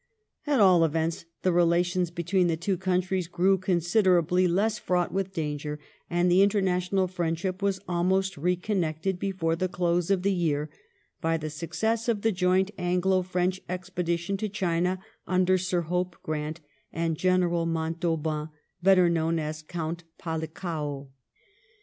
At all events, the relations between the two countries grew considerably less fraught with danger, and the inter national friendship was almost reconnected before the close of the year by the success of the joint Anglo French expedition to China, under Sir Hope Grant aud General Montauban, better known as Count Palikao.